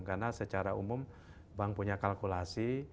karena secara umum bank punya kalkulasi